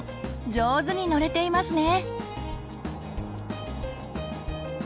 上手に乗れていますね！